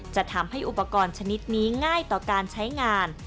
จะทำให้อุปกรณ์ชนิดนี้ง่ายต่อการใช้งาน